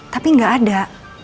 tapi nggak ada